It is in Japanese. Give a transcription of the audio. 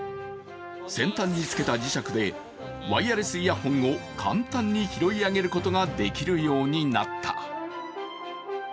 先端につけた磁石でワイヤレスイヤホンを簡単に拾い上げることができるようになった。